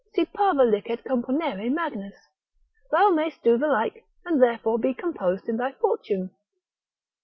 Si parva licet componere magnis, thou mayst do the like, and therefore be composed in thy fortune.